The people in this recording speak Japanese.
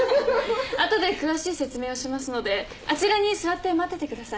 後で詳しい説明をしますのであちらに座って待っててください。